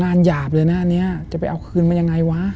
งานหยาบเลยละนานี้จะไปเอาคืนมันยังไงวะ